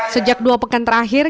sejak dua pekan terakhir